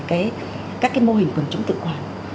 các cái mô hình quần chống tự quản